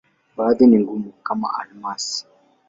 Baadhi ni ngumu, kama almasi.